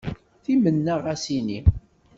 Timenna ɣas ini.